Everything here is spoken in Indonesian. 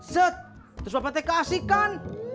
set terus apa teh keasikan